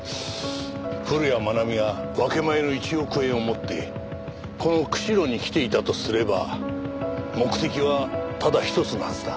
古谷愛美は分け前の１億円を持ってこの釧路に来ていたとすれば目的はただ１つのはずだ。